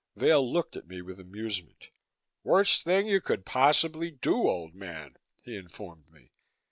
Vail looked at me with amusement. "Worst thing you could possibly do, old man," he informed me.